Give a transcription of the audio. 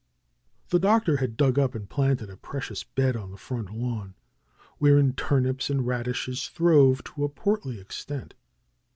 The Doctor had dug up and planted a precious bed 140 DR. SCHOLAR CRUTCH on the front lara, wherein turnips and radishes throve to a portly extent.